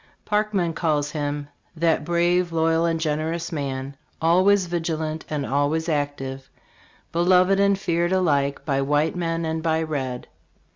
Parkman calls him, " That brave, loyal and generous man, always vig ilant and always active, beloved and feared alike by white man and by red."